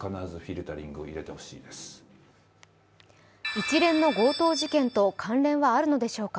一連の強盗事件と関連はあるのでしょうか。